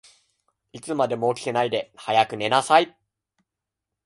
いつまでも起きてないで、早く寝なさい。